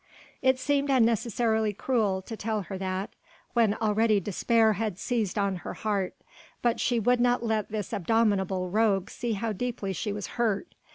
It seemed unnecessary cruelty to tell her that, when already despair had seized on her heart, but she would not let this abominable rogue see how deeply she was hurt.